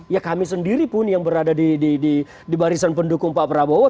ya kami sendiri pun yang berada di barisan pendukung pak prabowo